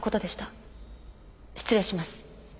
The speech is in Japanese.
失礼します。